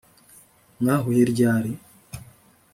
mwahuye ryari